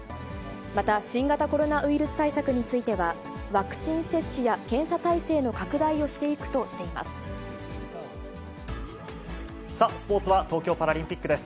また新型コロナウイルス対策については、ワクチン接種や検査体制さあ、スポーツは東京パラリンピックです。